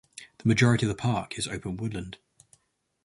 The majority of the park is open woodland.